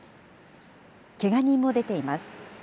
けが人も出ています。